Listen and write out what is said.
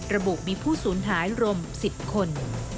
ระบุมีผู้สูญหายรวม๑๐คน